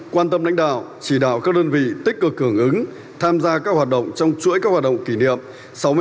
quan tâm lãnh đạo chỉ đạo các đơn vị tích cực hưởng ứng tham gia các hoạt động trong chuỗi các hoạt động kỷ niệm